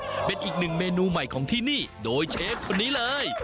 เป็นอีกหนึ่งเมนูใหม่ของที่นี่โดยเชฟคนนี้เลย